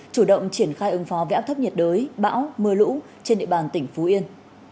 chủ động triển khai ứng phó với áp thấp nhiệt đới bão mưa lũ trên địa bàn tỉnh phú yên